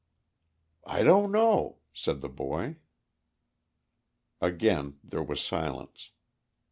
"I don't know," said the boy. Again there was silence.